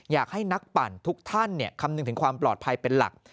อยากให้นักปั่นทุกท่านคำนึงถึงความปลอดภัยเป็นหลัก